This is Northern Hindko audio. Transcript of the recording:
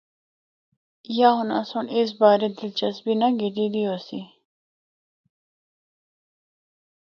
یا اُنّاں سنڑ اس بارے دلچسپی نہ گدی ہوسی۔